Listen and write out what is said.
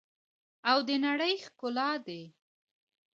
او د نړۍ ښکلا دي.